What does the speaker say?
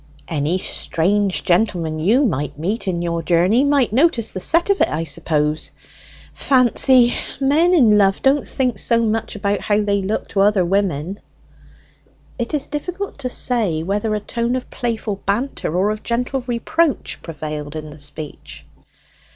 "Any strange gentleman you mid meet in your journey might notice the set of it, I suppose. Fancy, men in love don't think so much about how they look to other women." It is difficult to say whether a tone of playful banter or of gentle reproach prevailed in the speech.